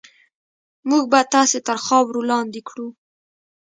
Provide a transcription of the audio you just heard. موږ به تاسې تر خاورو لاندې کړو.